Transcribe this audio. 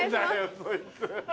そいつ。